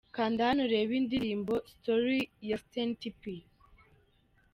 Kanda hano urebe indirimbo Story ya Senty P.